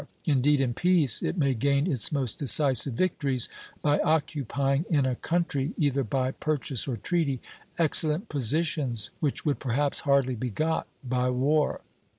Indeed, in peace it may gain its most decisive victories by occupying in a country, either by purchase or treaty, excellent positions which would perhaps hardly be got by war.